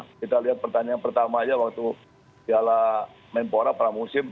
kita lihat pertandingan pertama aja waktu sialah memporak pramusim